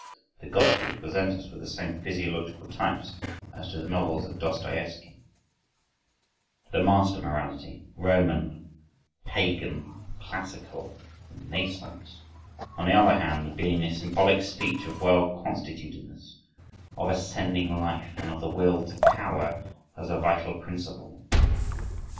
(—The gospels present us with the same physiological types, as do the novels of Dostoiewsky), the master morality ("Roman," "pagan," "classical," "Renaissance"), on the other hand, being the symbolic speech of well constitutedness, of ascending life, and of the Will to Power as a vital principle.